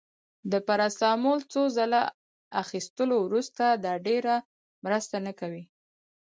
د پاراسټامول څو ځله اخیستلو وروسته، دا ډیره مرسته نه کوي.